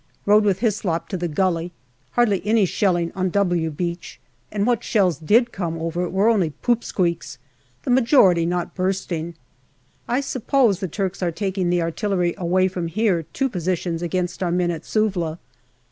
Rode with Hyslop to the gully. Hardly any shelling on " W " Beach, and what shells did come over were only " poop squeaks," the majority not bursting. I suppose the Turks are taking the artillery away from here to positions against our men at Suvla.